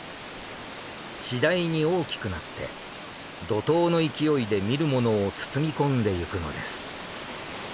次第に大きくなって怒涛の勢いで見る者を包み込んでいくのです。